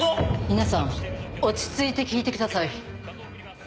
皆さん落ち着いて聞いてください。